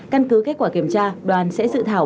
căn cứ kết quả kiểm tra đoàn sẽ dự thảo